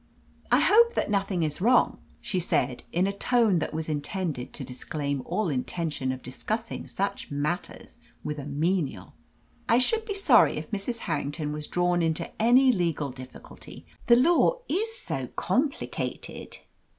"I hope that nothing is wrong," she said, in a tone that was intended to disclaim all intention of discussing such matters with a menial. "I should be sorry if Mrs. Harrington was drawn into any legal difficulty; the law is so complicated."